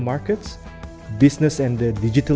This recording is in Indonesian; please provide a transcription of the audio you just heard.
bisnis dan ekonomi digital